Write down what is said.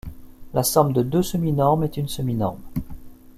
La somme de deux semi-normes est une semi-norme.